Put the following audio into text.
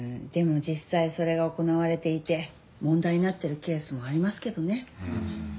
でも実さいそれが行われていて問題になってるケースもありますけどね。